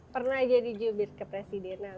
pernah jadi jubir kepresidenan